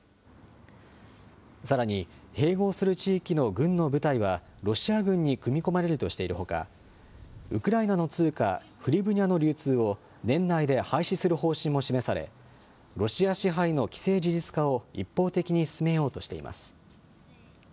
さらに併合する地域の軍の部隊は、ロシア軍に組み込まれるとしているほか、ウクライナの通貨フリブニャの流通を年内で廃止する方針も示され、ロシア支配の既成事実化を一方的に進めようとしています。